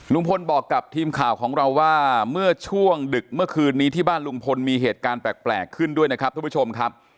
ลุงพลบอกกับทีมข่าวของเราว่าเมื่อช่วงดึกเมื่อคืนนี้ที่บ้านลุงพลมีเหตุการณ์แปลกขึ้นด้วยนะครับทุกผู้ชมครับ